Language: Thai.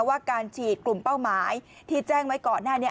ว่าการฉีดกลุ่มเป้าหมายที่แจ้งไว้ก่อนหน้านี้